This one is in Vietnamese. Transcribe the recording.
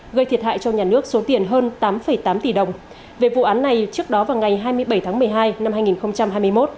gây thiệt hại cho nhà nước số tiền hơn tám tám tỷ đồng về vụ án này trước đó vào ngày hai mươi bảy tháng một mươi hai năm hai nghìn hai mươi một